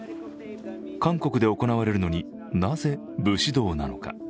韓国で行われるのになぜ武士道なのか。